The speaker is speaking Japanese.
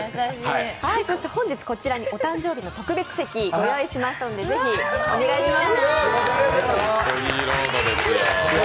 本日こちらにお誕生日の特別席をご用意しましたので、お願いします。